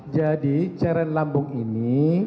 jadi cairan lambung ini